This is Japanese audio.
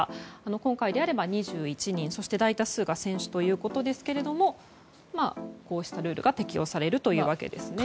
今回であれば２１人そして大多数が選手ということですがこうしたルールが適用されるというわけですね。